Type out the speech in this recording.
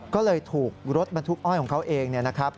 ก็เลยถูกรถบรรทุกอ้อยของเขาเอง